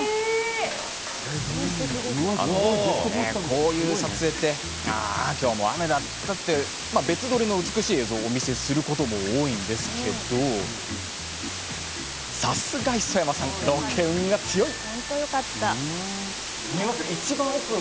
こういう撮影ってああ、今日も雨だったって別撮りの美しい映像をお見せすることも多いんですけどさすが磯山さん、ロケ運が強い！